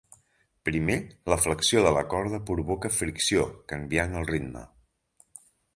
Primer, la flexió de la corda provoca fricció, canviant el ritme.